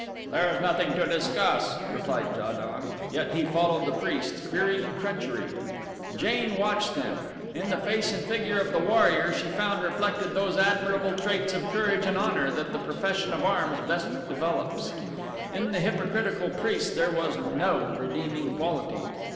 "There is nothing to discuss," replied Ja don, yet he followed the priest, fearing treachery. Jane watched them. In the face and figure of the warrior she found reflected those admirable traits of courage and honor that the profession of arms best develops. In the hypocritical priest there was no redeeming quality.